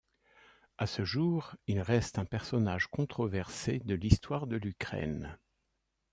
À ce jour, il reste un personnage controversé de l'histoire de l'Ukraine.